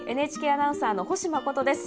ＮＨＫアナウンサーの星麻琴です。